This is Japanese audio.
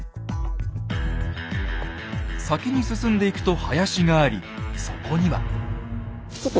先に進んでいくと林がありそこには。